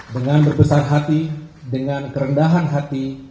dengan berpesan hati dengan kerendahan hati